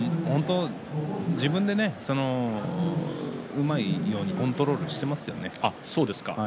自分で、うまいようにコントロールしていますよね。